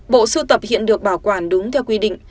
bộ sưu tập hiện được bảo quản đúng theo quy định